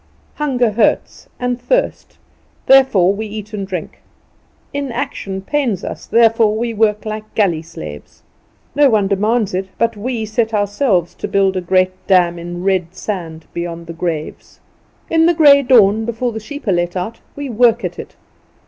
Hunger hurts, and thirst, therefore we eat and drink: inaction pains us, therefore we work like galley slaves. No one demands it, but we set ourselves to build a great dam in red sand beyond the graves. In the grey dawn before the sheep are let out we work at it.